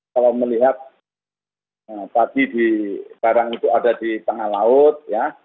kalau melihat tadi di barang itu ada di tengah laut ya